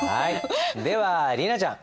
では莉奈ちゃん